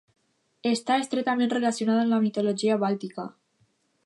Està estretament relacionada amb la mitologia bàltica.